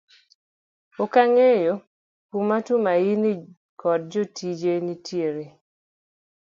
okang'eyo kuma Tumaini koda jatije nitiere.